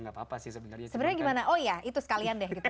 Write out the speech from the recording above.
apa sih sebenarnya sebenarnya gimana oh ya itu sekalian deh